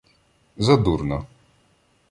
Задурно.